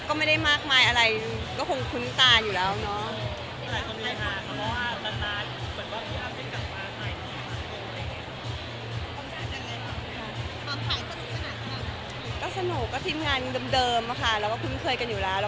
ก็ไม่ได้มากมายอะไรก็คงคุ้นตาอยู่แล้วเนาะ